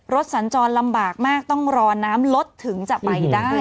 สัญจรลำบากมากต้องรอน้ำรถถึงจะไปได้